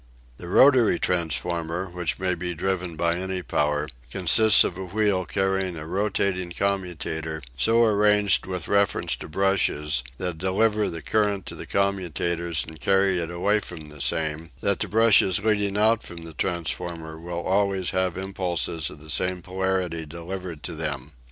The rotary transformer, which may be driven by any power, consists of a wheel carrying a rotating commutator so arranged with reference to brushes that deliver the current to the commutator and carry it away from the same, that the brushes leading out from the transformer will always have impulses of the same polarity delivered to them.